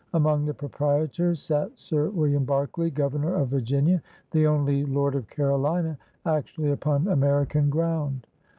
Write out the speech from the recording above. Among the Proprietors sat Sir William Berkeley, Governor of Virginia, the only lord of Carolina actually upon American ground.